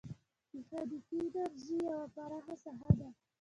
میخانیکي انجنیری یوه پراخه ساحه ده.